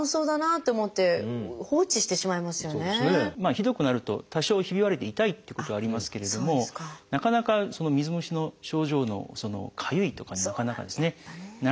ひどくなると多少ひび割れて痛いっていうことはありますけれどもなかなか水虫の症状の「かゆい」とかになかなかならないんですね。